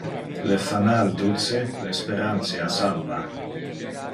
Le fanal duce, le sperantia salva.